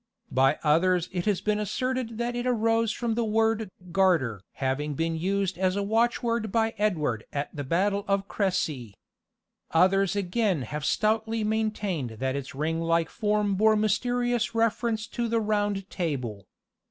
By others it has been asserted that it arose from the word "garter" having been used as a watchword by Edward at the battle of Cressy. Others again have stoutly maintained that its ringlike form bore mysterious reference to the Round Table.